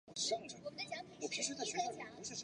厌食症确诊的必要条件为明显过低的体重。